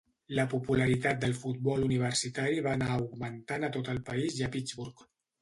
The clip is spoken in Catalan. La popularitat del futbol universitari va anar augmentant a tot el país i a Pittsburgh.